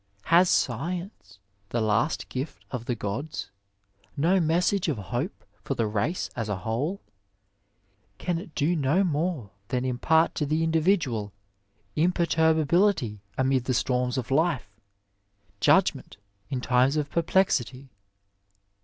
Has science, the last gift of the gods, no message of hope for the race as a whole ; can it do no more than impart to the individual imperturbability amid the storms of life, judgment in times of perplexity